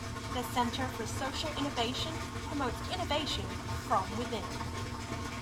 The Center for Social Innovation promotes innovation from within.